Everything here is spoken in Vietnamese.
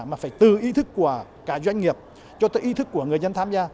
mà phải từ ý thức của cả doanh nghiệp cho tới ý thức của người dân tham gia